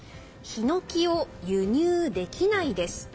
ヒノキを輸入できないです。